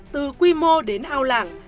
từ quy mô đến ao làng